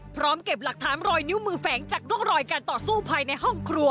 พร้อมเก็บหลักฐานรอยนิ้วมือแฝงจากร่องรอยการต่อสู้ภายในห้องครัว